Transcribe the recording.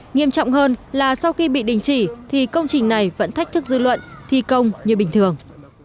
nghiêm trọng hơn là sau khi bị đình chỉ thì công trình này vẫn thách thức dư luận thi công như bình thường